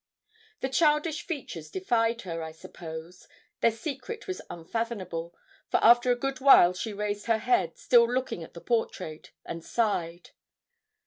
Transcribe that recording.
The childish features defied her, I suppose; their secret was unfathomable, for after a good while she raised her head, still looking at the portrait, and sighed.